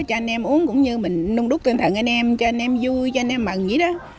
cho anh em uống cũng như mình nung đúc tinh thần anh em cho anh em vui cho anh em mừng vậy đó